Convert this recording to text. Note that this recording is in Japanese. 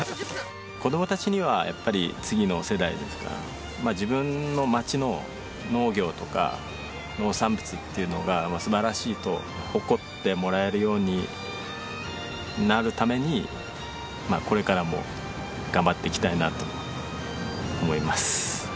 子どもたちにはやっぱり次の世代ですから自分の町の農業とか農産物っていうのが素晴らしいと誇ってもらえるようになるためにこれからも頑張っていきたいなと思います。